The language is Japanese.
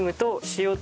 塩。